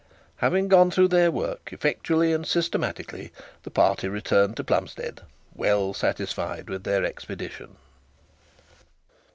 Having gone through their work effectively, and systematically, the party returned to Plumstead well satisfied with their expedition.